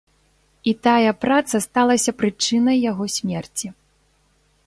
І тая праца сталася прычынай яго смерці.